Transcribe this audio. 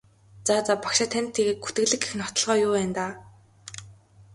За за багшаа танд тэгээд гүтгэлэг гэх нотолгоо юу байна даа?